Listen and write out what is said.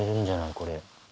これ。